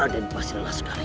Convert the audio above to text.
radin pasti lelah sekali